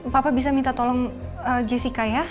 papa bisa minta tolong jessica ya